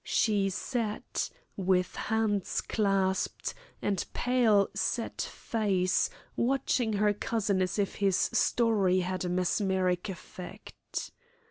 She sat, with hands clasped, and pale, set face, watching her cousin as if his story had a mesmeric effect.